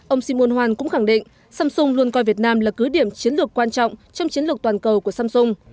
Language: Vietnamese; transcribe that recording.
ông simun hoan cũng khẳng định samsung luôn coi việt nam là cứ điểm chiến lược quan trọng trong chiến lược toàn cầu của samsung